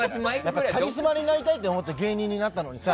カリスマになりたいと思って芸人になったのにさ